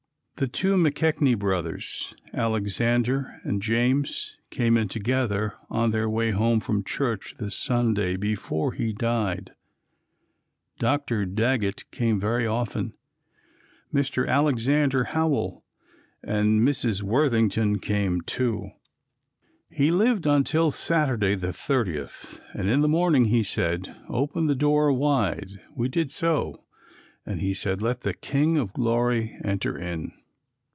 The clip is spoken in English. The two McKechnie brothers, Alexander and James, came in together on their way home from church the Sunday before he died. Dr. Daggett came very often. Mr. Alexander Howell and Mrs. Worthington came, too. He lived until Saturday, the 30th, and in the morning he said, "Open the door wide." We did so and he said, "Let the King of Glory enter in."